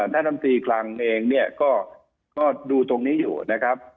ท่านท่านทีคลังเองก็ดูตรงนี้อยู่นะครับ